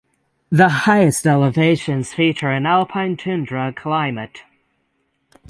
The highest elevations feature an alpine tundra climate.